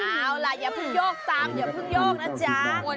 เอาล่ะอย่าเพิ่งโยกตามอย่าเพิ่งโยกนะจ๊ะ